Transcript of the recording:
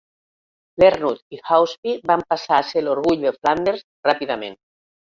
Lernout i Hauspie van passar a ser l"orgull de Flanders ràpidament.